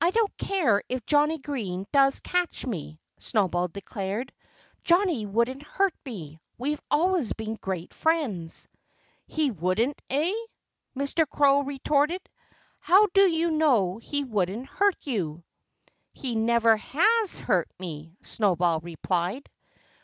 "I don't care if Johnnie Green does catch me," Snowball declared. "Johnnie wouldn't hurt me. We've always been great friends." "He wouldn't, eh?" Mr. Crow retorted. "How do you know he wouldn't hurt you?" "He never has hurt me," Snowball replied.